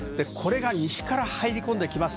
西から入り込んできます。